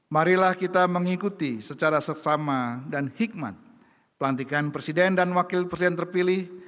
marilah kita mengikuti secara sesama dan hikmat pelantikan presiden dan wakil presiden terpilih